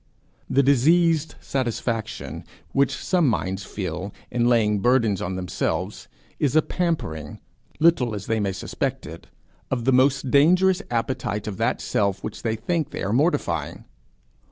The diseased satisfaction which some minds feel in laying burdens on themselves, is a pampering, little as they may suspect it, of the most dangerous appetite of that self which they think they are mortifying.